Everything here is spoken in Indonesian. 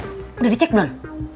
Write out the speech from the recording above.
sudah dicek belum